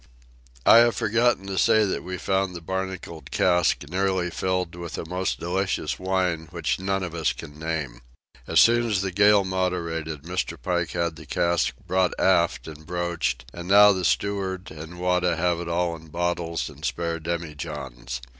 I have forgotten to say that we found the barnacled cask nearly filled with a most delicious wine which none of us can name. As soon as the gale moderated Mr. Pike had the cask brought aft and broached, and now the steward and Wada have it all in bottles and spare demijohns.